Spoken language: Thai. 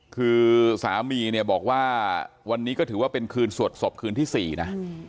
คือสามีเนี่ยบอกว่าวันนี้ก็ถือว่าเป็นคืนสวดศพคืนที่๔นะ